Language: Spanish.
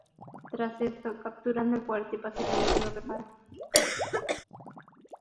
Tras esto, capturan el fuerte y posteriormente lo reparan.